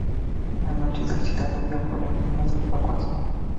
La noche del citado día fue la última de la evacuación.